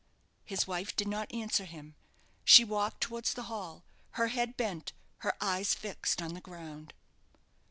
His wife did not answer him. She walked towards the hall, her head bent, her eyes fixed on the ground.